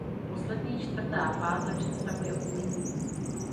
Poslední čtvrtá fáze představuje umění.